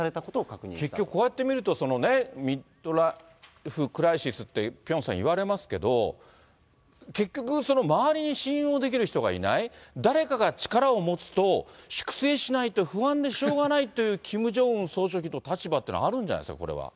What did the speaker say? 結局、こうやって見ると、ミッドライフ・クライシスって、ピョンさん言われますけど、結局、周りに信用できる人がいない、誰かが力を持つと、粛清しないと不安でしょうがないというキム・ジョンウン総書記の立場っていうのはあるんじゃないですか、これは。